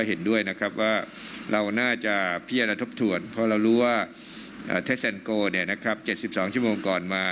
ต้องไปขยับต้องเป็นคนตัดสินว่า